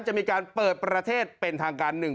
จะมีการเปิดประเทศเป็นทางการหนึ่ง